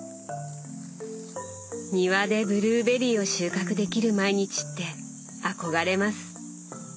庭でブルーベリーを収穫できる毎日って憧れます。